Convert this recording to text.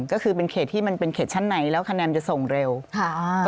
ก็คือเป็นเขตที่มันเป็นเขตชั้นไหนแล้วคะแนนจะส่งเร็วค่ะอ่า